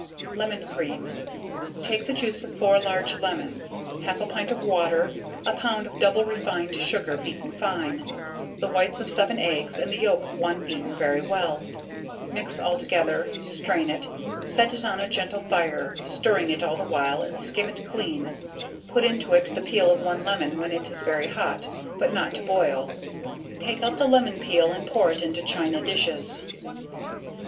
Lemon Cream. Take the juice of four large lemons, half a pint of water, a pound of double refined sugar beaten fine, the whites of seven eggs and the yolk of one beaten very well; mix altogether, strain it, set it on a gentle fire, stirring it all the while and skim it clean, put into it the peal of one lemon, when it is very hot, but not to boil; take out the lemon peal and pour it into china dishes.